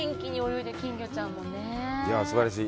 いや、すばらしい。